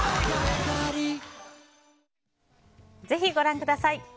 ぜひ、ご覧ください。